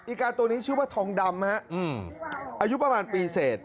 การตัวนี้ชื่อว่าทองดำอายุประมาณปีเศษ